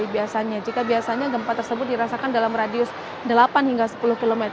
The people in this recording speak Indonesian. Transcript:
biasanya jika biasanya gempa tersebut dirasakan dalam radius delapan hingga sepuluh km